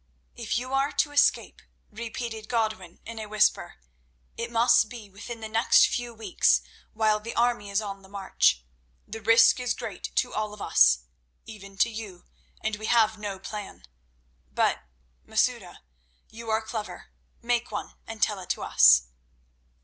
"If you are to escape," repeated Godwin in a whisper, "it must be within the next few weeks while the army is on the march. The risk is great to all of us—even to you, and we have no plan. But, Masouda, you are clever; make one, and tell it to us."